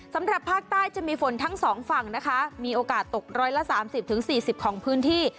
สำหรับภาคใต้จะมีฝนทั้งสองฝั่งนะคะมีโอกาสตกร้อยละสามสิบถึงสี่สิบของพื้นที่